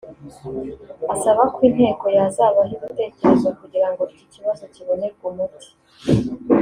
asaba ko Inteko yazabaha ibitekerezo kugira ngo iki kibazo kibonerwe umuti